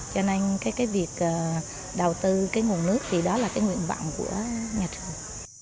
cho nên cái việc đầu tư cái nguồn nước thì đó là cái nguyện vọng của nhà trường